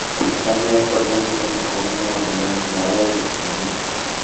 La ciudad, por lo tanto, cuenta con una abundancia de agua y vegetación.